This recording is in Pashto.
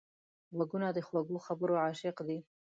غوږونه د خوږو خبرو عاشق دي